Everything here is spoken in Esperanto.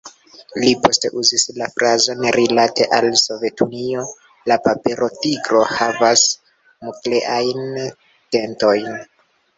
Li poste uzis la frazon rilate al Sovetunio: la "papera tigro havas nukleajn dentojn".